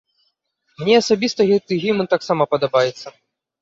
Мне асабіста гэты гімн таксама падабаецца.